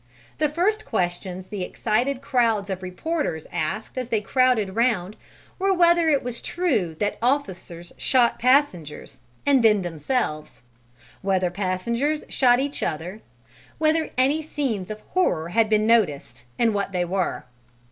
The first questions the excited crowds of reporters asked as they crowded round were whether it was true that officers shot passengers, and then themselves; whether passengers shot each other; whether any scenes of horror had been noticed, and what they were.